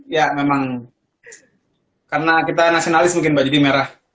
ya memang karena kita nasionalis mungkin mbak jadi merah